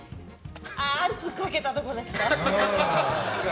圧かけたところですか？